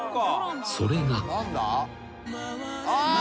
［それが］